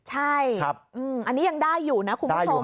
ใช่อันนี้ยังได้อยู่นะคุณผู้ชม